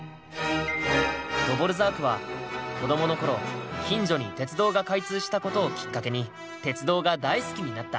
ドヴォルザークは子どものころ近所に鉄道が開通したことをきっかけに鉄道が大好きになった。